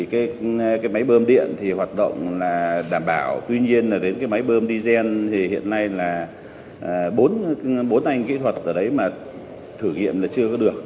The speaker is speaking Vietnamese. cái máy bơm điện thì hoạt động là đảm bảo tuy nhiên là đến cái máy bơm digen thì hiện nay là bốn anh kỹ thuật ở đấy mà thử nghiệm là chưa có được